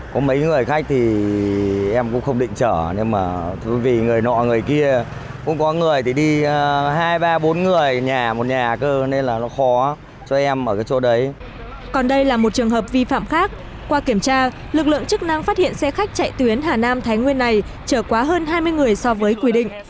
qua kiểm tra xe khách phương nhi chạy tuyến nam định hà nội chở quá bảy người so với quy định